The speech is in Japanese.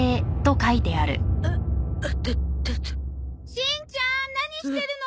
しんちゃん何してるの？